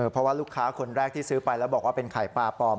เพราะว่าลูกค้าคนแรกที่ซื้อไปแล้วบอกว่าเป็นไข่ปลาปลอม